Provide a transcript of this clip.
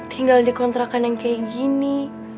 tinggal dikontrakan yang kayak gini